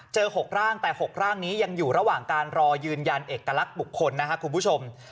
๖ร่างแต่๖ร่างนี้ยังอยู่ระหว่างการรอยืนยันเอกลักษณ์บุคคลนะครับคุณผู้ชม